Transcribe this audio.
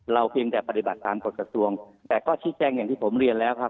เพียงแต่ปฏิบัติตามกฎกระทรวงแต่ก็ชี้แจงอย่างที่ผมเรียนแล้วครับ